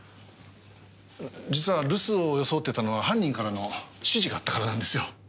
実は留守を装ってたのは犯人からの指示があったからなんですよ。